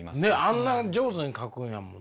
あんな上手に描くんやもん。